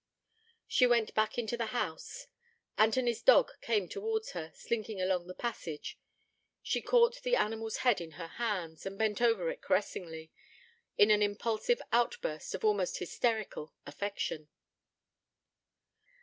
She went back into the house. Anthony's dog came towards her, slinking along the passage. She caught the animal's head in her hands, and bent over it caressingly, in an impulsive outburst of almost hysterical affection.